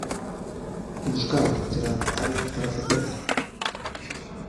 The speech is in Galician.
Buscaba o lateral da área para facer dano.